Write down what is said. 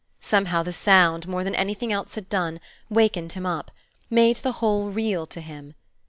Somehow, the sound, more than anything else had done, wakened him up, made the whole real to him.